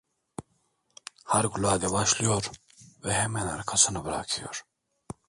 Harikulade başlıyor ve hemen arkasını bırakıyor…